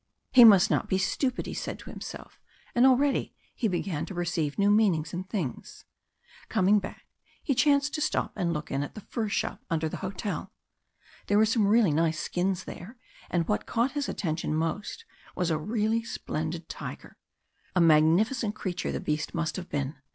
He must not be stupid, he said to himself, and already he began to perceive new meanings in things. Coming back, he chanced to stop and look in at the fur shop under the hotel. There were some nice skins there, and what caught his attention most was a really splendid tiger. A magnificent creature the beast must have been.